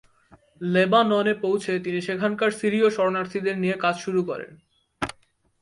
লেবাননে পৌঁছে তিনি সেখানকার সিরীয় শরণার্থীদের নিয়ে কাজ শুরু করেন।